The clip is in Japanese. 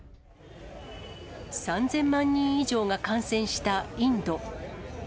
３０００万人以上が感染したインド。